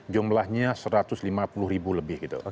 jumlahnya satu ratus lima puluh ribu lebih gitu